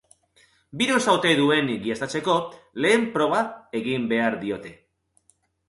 Birusa ote duen egiaztatzeko lehen proba egin behar diote.